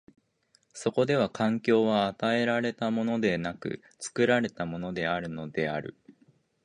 そこでは環境は与えられたものでなく、作られたものであるのである。